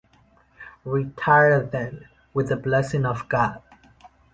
Retire then, with the blessing of God.